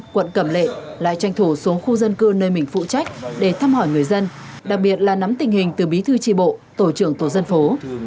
quận cẩm lệ lại tranh thủ xuống khu dân cư nơi mình phụ trách để thăm hỏi người dân đặc biệt là nắm tình hình từ bí thư tri bộ tổ trưởng tổ dân phố